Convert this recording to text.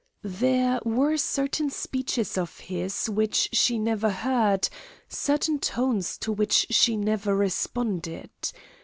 There were certain speeches of his which she never heard, certain tones to which she never responded.